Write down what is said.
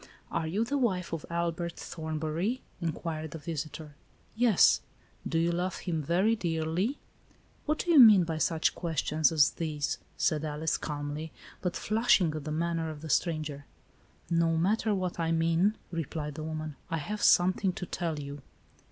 "Are you the' wife of Albert Thornbury," in quired the visitor. " Yes." " Do you love him very dearly ?"" What do you mean by such questions as these ?" s£id Alice, calmly, but flushing at the manner of the stranger. " No matter what I mean," replied the woman, "I have something to tell you."